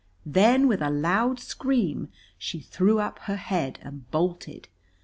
Then, with a loud scream, she threw up her head and bolted.